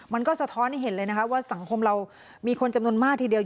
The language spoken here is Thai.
มันก็สะท้อนให้เห็นเลยนะคะว่าสังคมเรามีคนจำนวนมากทีเดียว